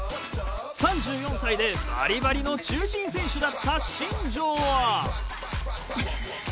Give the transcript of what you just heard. ３４歳でバリバリの中心選手だった新庄は。